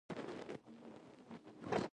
افغانستان په رسوب باندې تکیه لري.